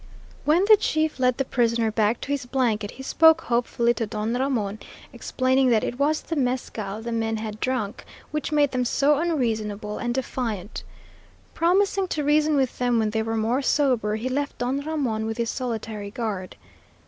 When the chief led the prisoner back to his blanket, he spoke hopefully to Don Ramon, explaining that it was the mescal the men had drunk which made them so unreasonable and defiant. Promising to reason with them when they were more sober, he left Don Ramon with his solitary guard.